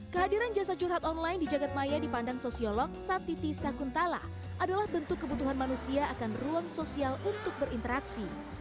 kehadiran jasa curhat online di jagadmaya dipandang sosiolog satiti sakuntala adalah bentuk kebutuhan manusia akan ruang sosial untuk berinteraksi